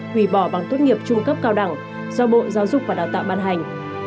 hủy bỏ bằng tốt nghiệp trung cấp cao đẳng do bộ giáo dục và đào tạo ban hành